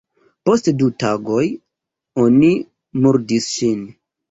Post du tagoj, oni murdis ŝin.